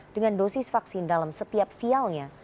dengan dosis vaksin dalam setiap vialnya